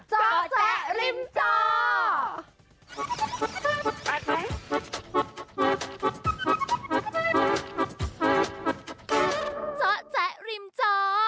จ๊อกแจะลิมจ่อ